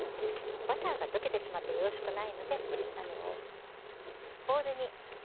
バターが溶けてしまってよろしくないのでボウルに入れて。